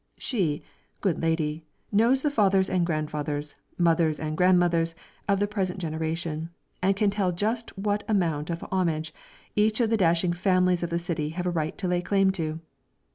She, good lady, knows the fathers and grandfathers, mothers and grandmothers, of the present generation, and can tell just what amount of homage each of the dashing families of the city have a right to lay claim to.